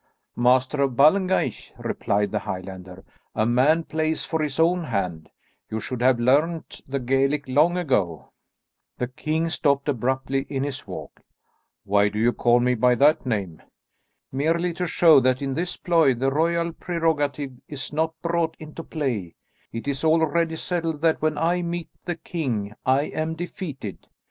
"Master of Ballengeich," replied the Highlander, "a man plays for his own hand. You should have learned the Gaelic long ago." The king stopped abruptly in his walk. "Why do you call me by that name?" "Merely to show that in this ploy the royal prerogative is not brought into play; it is already settled that when I meet the king, I am defeated.